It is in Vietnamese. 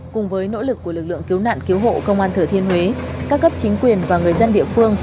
cùng với nỗ lực của lực lượng cứu nạn cứu hộ công an thừa thiên huế các cấp chính quyền và người dân địa phương